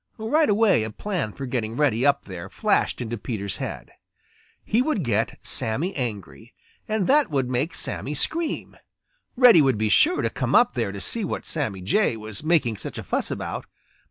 Right away a plan for getting Reddy up there flashed into Peter's head. He would get Sammy angry, and that would make Sammy scream. Reddy would be sure to come up there to see what Sammy Jay was making such a fuss about.